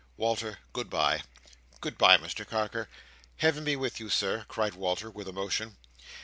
Walter, good bye!" "Good bye, Mr Carker. Heaven be with you, Sir!" cried Walter with emotion.